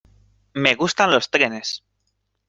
Me gustan los trenes.